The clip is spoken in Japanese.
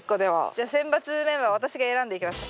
じゃあ選抜メンバー私が選んでいきますか。